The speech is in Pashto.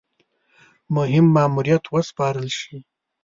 مهم ماموریت وسپارل شي.